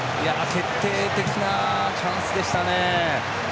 決定的なチャンスでしたね。